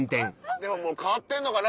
でももう変わってんのかな。